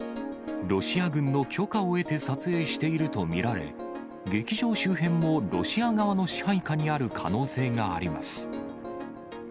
ロシア軍の許可を得て撮影していると見られ、劇場周辺もロシア側の支配下にある可能性があります。